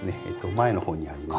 前の方にあります。